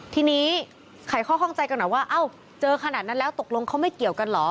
ทีนี้ไขข้อข้องใจกันหน่อยว่าเอ้าเจอขนาดนั้นแล้วตกลงเขาไม่เกี่ยวกันเหรอ